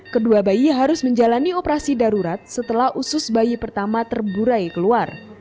kedua bayi harus menjalani operasi darurat setelah usus bayi pertama terburai keluar